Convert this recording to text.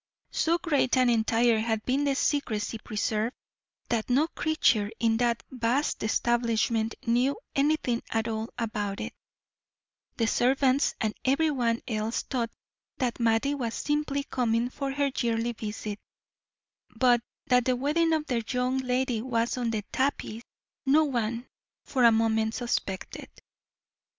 So great and entire had been the secrecy preserved, that no creature in that vast establishment knew anything at all about it, the servants and every one else thought that Mattie was simply coming for her yearly visit; but that the wedding of their young lady was on the tapis, no one for a moment suspected.